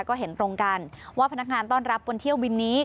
ก็เห็นตรงกันว่าพนักงานต้อนรับบนเที่ยวบินนี้